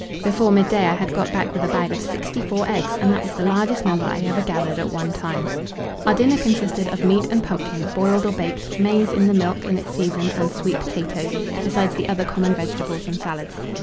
Before midday I had got back with a bag of sixty four eggs; and that was the largest number I ever gathered at one time. Our dinner consisted of meat and pumpkin, boiled or baked, maize "in the milk" in its season and sweet potatoes, besides the other common vegetables and salads.